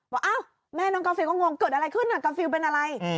ว่าแม่น้องกราฟิลก็งงเกิดอะไรขึ้นเป็นอะไร